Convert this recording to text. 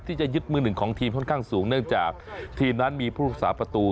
ที่จะยึดมือหนึ่งของทีมค่อนข้างสูงเนื่องจากทีมนั้นมีผู้รักษาประตู